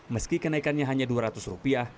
meski kenaikannya hanya dua ratus rupiah